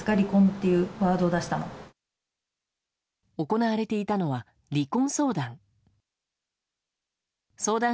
行われていたのは、離婚相談。